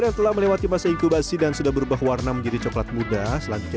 yang telah melewati masa inkubasi dan sudah berubah warna menjadi coklat muda selanjutnya